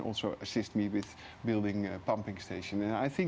anda juga bisa membantu saya dengan membangun stasiun pembangunan